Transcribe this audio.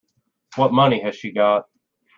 What money has she got?